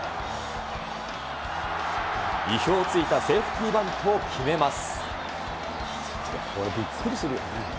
意表をついたセーフティーバントを決めます。